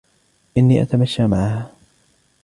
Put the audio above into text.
إني أتمشى معها.